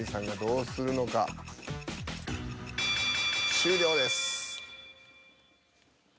終了です。